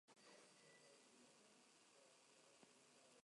Flores bisexuales.